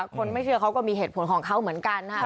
คนไม่เชื่อเขาก็มีเหตุผลของเขาเหมือนกันนะครับ